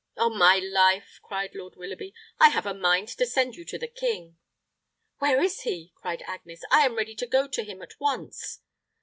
"On my life," cried Lord Willoughby, "I have a mind to send you to the king." "Where is he?" cried Agnes. "I am ready to go to him at once."